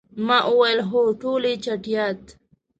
ما وویل، هو، ټولې چټیات.